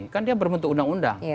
kan dia berbentuk undang undang